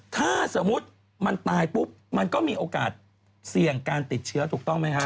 ถ้าสมมุติมันตายปุ๊บมันก็มีโอกาสเสี่ยงการติดเชื้อถูกต้องไหมฮะ